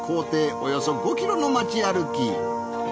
およそ５キロのまち歩き。